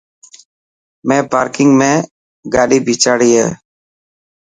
مين پارڪنگ ۾ کاڌي ڀيچاڙي هي.